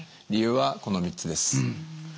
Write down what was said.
理由はこの３つです。